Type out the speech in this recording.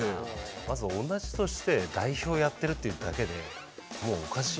まずは同じ年で代表やってるっていうだけでもうおかしいですよね。